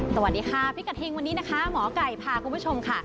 สวัสดีค่ะพิกัดเฮงวันนี้นะคะหมอไก่พาคุณผู้ชมค่ะ